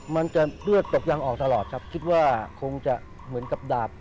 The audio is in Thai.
มันจะเลือดตกยังออกตลอดครับคิดว่าคงจะเหมือนกับดาบ